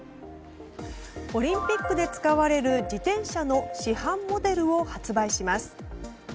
オリンピックで使われる自転車の市販モデルを発売します。